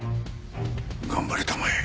頑張りたまえ。